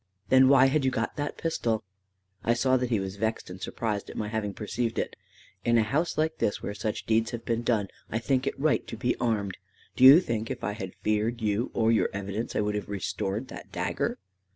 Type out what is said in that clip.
"Then why had you got that pistol?" I saw that he was vexed and surprised at my having perceived it. "In a house like this, where such deeds have been done, I think it right to be armed. Do you think if I had feared you, or your evidence, I would have restored that dagger?"